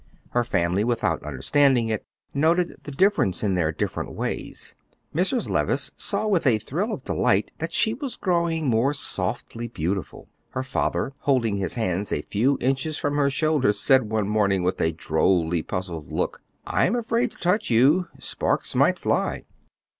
Her family, without understanding it, noted the difference in their different ways. Mrs. Levice saw with a thrill of delight that she was growing more softly beautiful. Her father, holding his hands a few inches from her shoulders, said, one morning, with a drolly puzzled look, "I am afraid to touch you; sparks might fly."